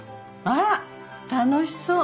あら楽しそう。